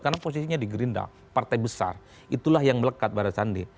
karena posisinya di gerindra partai besar itulah yang melekat pada sandi